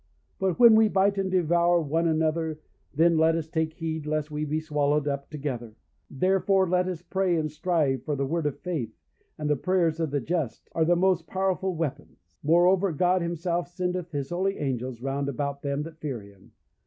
But when we bite and devour one another, then let us take heed lest we be swallowed up together. Therefore let us pray and strive; for the word of faith, and the prayers of the just, are the most powerful weapons; moreover, God himself sendeth his holy angels round about them that fear him.